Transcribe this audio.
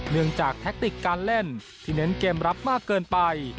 เนื่องจากแทคติกการเล่นที่เน้นเกมรับมากเกินไป